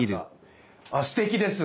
あすてきです！